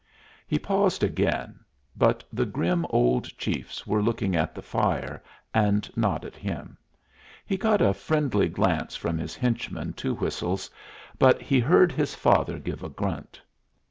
He paused again; but the grim old chiefs were looking at the fire, and not at him. He got a friendly glance from his henchman, Two Whistles, but he heard his father give a grunt.